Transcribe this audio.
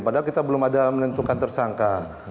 padahal kita belum ada menentukan tersangka